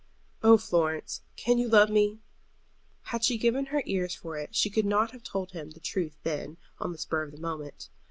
"Oh, Florence, can you love me?" Had she given her ears for it she could not have told him the truth then, on the spur of the moment.